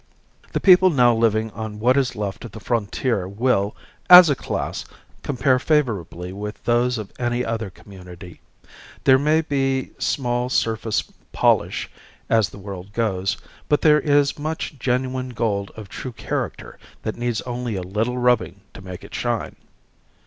The people now living on what is left of the frontier will, as a class, compare favorably with those of any other community. There may be small surface polish, as the world goes, but there is much genuine gold of true character that needs only a little rubbing to make it shine.